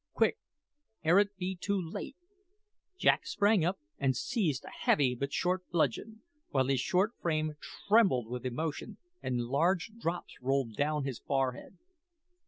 quick, ere it be too late!" Jack sprang up and seized a heavy but short bludgeon, while his strong frame trembled with emotion, and large drops rolled down his forehead.